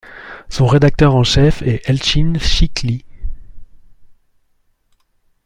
Son rédacteur en chef est Elchin Shikhli.